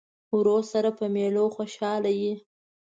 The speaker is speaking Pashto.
ورور سره په مېلو خوشحاله یې.